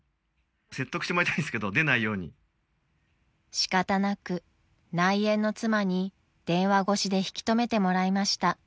［仕方なく内縁の妻に電話越しで引き留めてもらいました］